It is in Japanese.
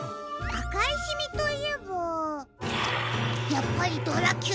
あかいシミといえばやっぱりドラキュラだ！